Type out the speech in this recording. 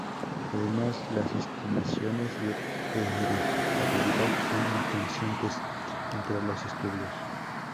Además, las estimaciones de heredabilidad son inconsistentes entre los estudios.